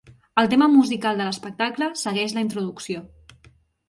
El tema musical de l'espectacle segueix la introducció.